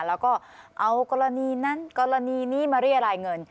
แล้วก็เอากรณีนั้นกรณีนี้มาเรียรายเงิน